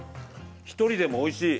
１人でもおいしい。